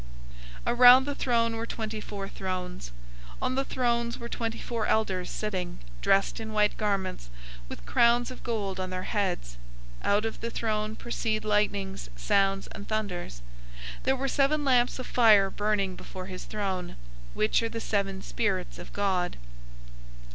004:004 Around the throne were twenty four thrones. On the thrones were twenty four elders sitting, dressed in white garments, with crowns of gold on their heads. 004:005 Out of the throne proceed lightnings, sounds, and thunders. There were seven lamps of fire burning before his throne, which are the seven Spirits of God.